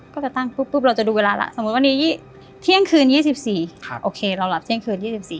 ก็จะตั้งปุ๊บเราจะดูเวลาแล้วสมมุติวันนี้เที่ยงคืน๒๔โอเคเราหลับเที่ยงคืน๒๔